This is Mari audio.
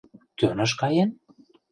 Кӧныш каен?»